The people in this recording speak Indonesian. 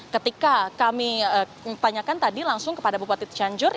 ketika kami tanyakan tadi langsung kepada bupati cianjur